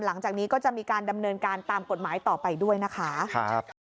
หลังจากนี้ก็จะมีการดำเนินการตามกฎหมายต่อไปด้วยนะคะ